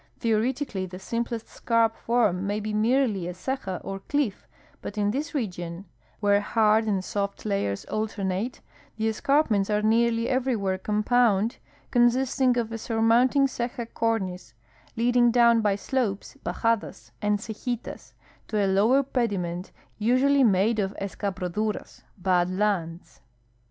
Theoretically, the simplest scarp form may be merely a ceja or cliff, but in this region, where hard and soft layers alter nate, the escarpments are nearly ever}^where compound, con sisting of a surmounting ceja cornice, leading down by slopes (bajadas) and cejitas to a lower pediment, usually made of escabroduras (bad lands).